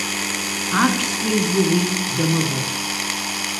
Аԥсуа изы уи дамыӷан…